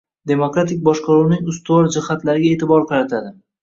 demokratik boshqaruvning ustivor jihatlariga e`tibor qaratadi.